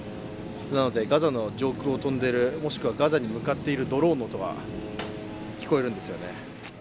なのでガザ上空に飛んでいる、もしくはガザに向かっているドローンの音が聞こえるんですよね。